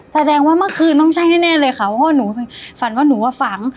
แสดงว่าเมื่อคืนต้องใช่แน่เลยค่ะเพราะว่าหนูฝันว่าหนูว่าฝัง